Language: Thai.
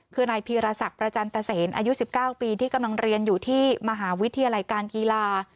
คือนายพีรศักดิ์ประจันตเซนอายุ๑๙ปีที่กำลังเรียนอยู่ที่มหาวิทยาลัยการกีฬา